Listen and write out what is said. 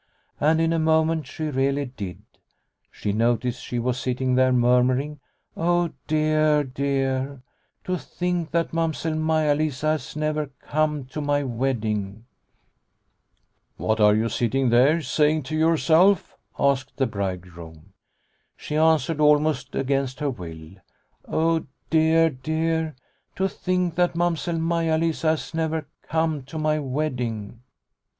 And in a moment she really did ; she noticed she was sitting there murmur ing : "Oh dear, dear, to think that Mamsell Maia Lisa has never come to my wedding !':" What are you sitting there, saying to your self ?" asked the bridegroom. She answered almost against her will, " Oh dear, dear, to think that Mamsell Maia Lisa has never come to my wedding